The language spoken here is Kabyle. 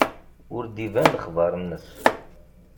Ur d-iban lexbar-nnes.